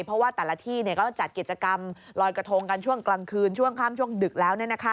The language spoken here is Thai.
เพราะว่าแต่ละที่ก็จัดกิจกรรมลอยกระทงกันช่วงกลางคืนช่วงข้ามช่วงดึกแล้ว